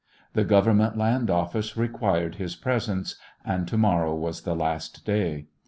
The Grovemment Land Office required his presence, and tomorrow was the last day.